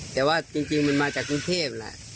แต่ว่าจริงมันมาจากกรุงเทพแหละ